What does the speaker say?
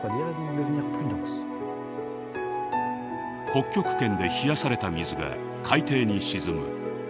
北極圏で冷やされた水が海底に沈む。